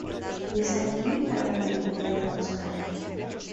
Y es aquí a donde vinieron a buscarle.